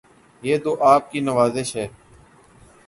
یہ تو آپ کی نوازش ہے